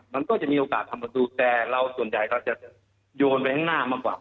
มันก็จะมีโอกาสทำประตูแต่เราส่วนใหญ่เราจะโยนไปข้างหน้ามากกว่า